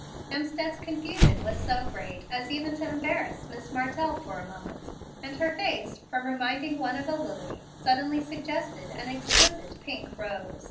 Hemstead's confusion was so great as even to embarrass Miss Martell for a moment, and her face, from reminding one of a lily, suddenly suggested an exquisite pink rose.